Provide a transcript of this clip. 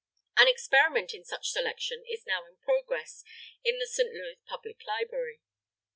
An experiment in such selection is now in progress in the St. Louis Public Library.